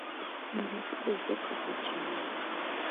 انګلیسي د زده کړو سرچینه ده